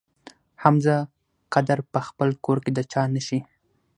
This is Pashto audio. حمزه قدر په خپل کور کې د چا نه شي.